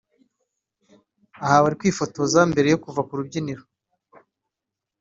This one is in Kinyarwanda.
aha bari kwifotoza mbere yo kuva ku rubyiniro